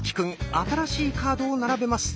新しいカードを並べます。